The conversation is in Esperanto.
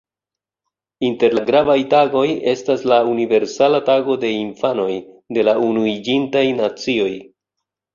Inter la gravaj tagoj estas la "Universala tago de infanoj" de la Unuiĝintaj Nacioj.